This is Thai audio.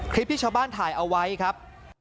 ที่ชาวบ้านถ่ายเอาไว้ครับ